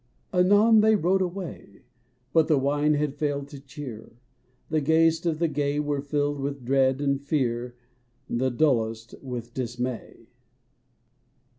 Anon they rode away. But the wine had failed to cheer ; The gayest of the gay Were filled with dread and fear. The dullest with dismay.